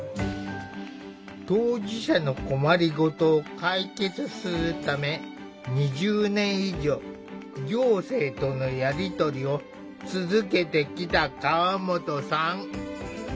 当事者の困り事を解決するため２０年以上行政とのやり取りを続けてきた河本さん。